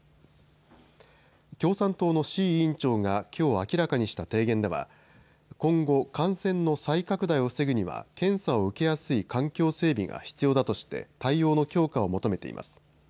共産党の志位委員長がきょう明らかにした提言では、今後、感染の再拡大を防ぐには、検査を受けやすい環境整備が必要だとして、対応の強化を求めています。